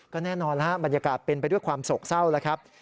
ก็แน่นอนแล้วฮะบรรยากาศเป็นไปด้วยความโศกเศร้าแล้วครับ